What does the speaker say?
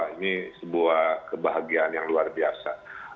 ini sebuah kebahagiaan yang luar biasa